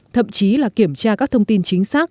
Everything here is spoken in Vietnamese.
thậm chí là kiểm tra các thông tin chính xác